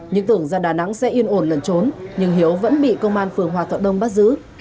nhưng tưởng ra đà nẵng sẽ yên ổn lẩn trốn nhưng hiếu vẫn bị công an phường hòa thuận đông bắt giữ